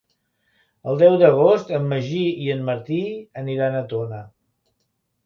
El deu d'agost en Magí i en Martí aniran a Tona.